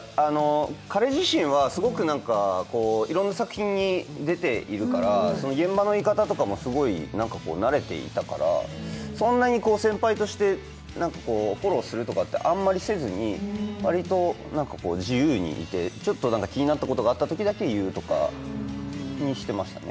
彼自身はすごくいろんな作品に出ているから、現場の居方も慣れていたからそんなに先輩としてフォローするとかはあまりせずに割りと自由にしてちょっと気になったことがあるときだけ言うようにしてましたね。